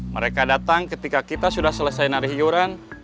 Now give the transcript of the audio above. mereka datang ketika kita sudah selesai narih higuran